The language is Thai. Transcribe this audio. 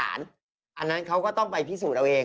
อันนั้นเขาก็ต้องไปพิสูจน์เอาเอง